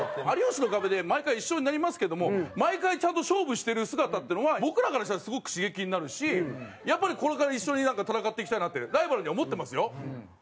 『有吉の壁』で毎回一緒になりますけども毎回ちゃんと勝負してる姿っていうのは僕らからしたらすごく刺激になるしやっぱりこれから一緒になんか戦っていきたいなってライバルには思ってますよ。